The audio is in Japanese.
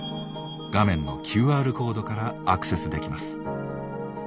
画面のＱＲコードからアクセスできます。